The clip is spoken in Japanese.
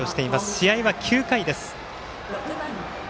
試合は９回です。